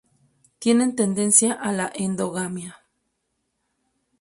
Tienen tendencia a la endogamia.